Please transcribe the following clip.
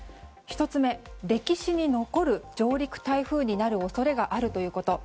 １つ目、歴史に残る上陸台風になる恐れがあるということ。